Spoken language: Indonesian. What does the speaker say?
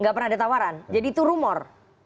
gak pernah ditawaran jadi itu rumor